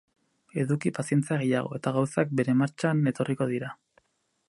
Eduki pazientzia gehiago, eta gauzak bere martxan etorriko dira.